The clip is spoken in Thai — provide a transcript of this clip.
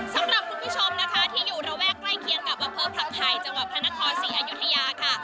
สำหรับทุกผู้ชมที่อยู่ระแวกใกล้เคียงกับอเภอพระไข่จังหวัดพนคร๔อายุธยาค่ะ